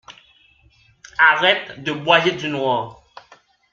Arrête de broyer du noir!